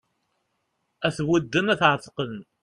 Ad t-budden ad t-εetqen